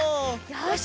よし。